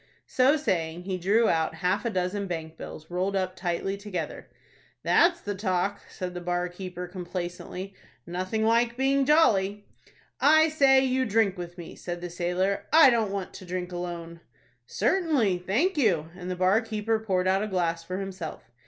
So saying, he drew out half a dozen bank bills, rolled up tightly together. "That's the talk," said the bar keeper, complaisantly. "Nothing like being jolly." "I say, you drink with me," said the sailor. "I don't want to drink alone." "Certainly, thank you;" and the bar keeper poured out a glass for himself.